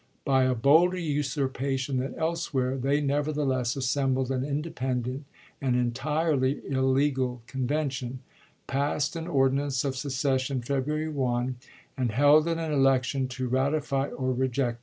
By a bolder usurpation than elsewhere, they neverthe less assembled an independent and entirely illegal convention, passed an ordinance of secession, Feb ruary 1, and held an election to ratify or reject i8gi.